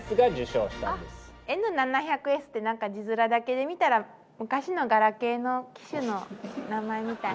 Ｎ７００Ｓってなんか字面だけで見たら昔のガラケーの機種の名前みたいね。